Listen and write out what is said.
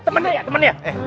temennya ya temennya